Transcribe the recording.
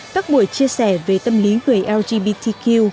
các buổi chia sẻ về tâm lý người lgbtq